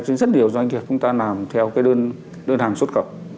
rất nhiều doanh nghiệp chúng ta làm theo cái đơn hàng xuất cập